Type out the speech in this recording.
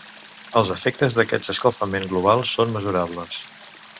Els efectes d'aquest escalfament global són mesurables.